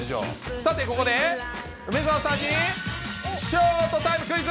さてここで、梅澤さんに翔ートタイムクイズ。